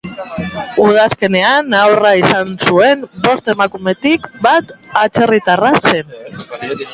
Udazkenean haurra izan zuen bost emakumetik bat atzerritarra zen.